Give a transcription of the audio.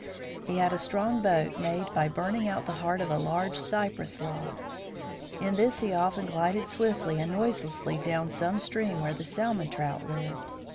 He had a strong boat made by burning out the heart of a large cypress log. In this he often glided swiftly and noiselessly down some stream where the salmon trout lived.